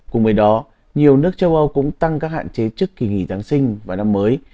cùng với đó nhiều nước châu âu cũng tăng các hạn chế trước kỳ nghỉ giáng sinh và năm mới